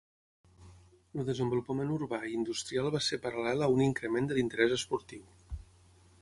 El desenvolupament urbà i industrial va ser paral·lel a un increment de l’interès esportiu.